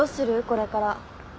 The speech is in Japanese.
これから。